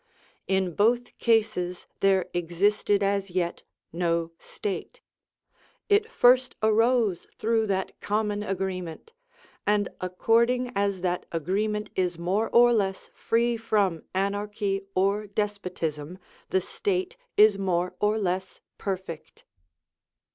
In both cases there existed as yet no state; it first arose through that common agreement; and according as that agreement is more or less free from anarchy or despotism, the state is more or less perfect.